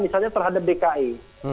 misalnya terhadap dki